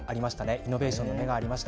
イノベーションの芽がありました。